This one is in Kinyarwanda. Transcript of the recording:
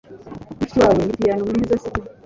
Mushiki wawe ni piyano mwiza, sibyo?